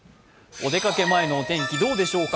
お出かけ前のお天気、どうでしょうか。